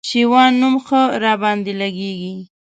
شېوان نوم ښه راباندي لګېږي